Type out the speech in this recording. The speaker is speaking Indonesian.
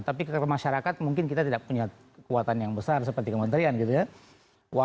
tapi ke masyarakat mungkin kita tidak punya kekuatan yang besar seperti kementerian gitu ya